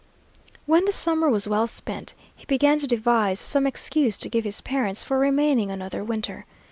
When the summer was well spent, he began to devise some excuse to give his parents for remaining another winter.